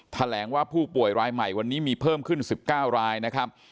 แถลงว่าผู้ป่วยรายใหม่วันนี้มีเพิ่มขึ้น๑๙รายนะครับ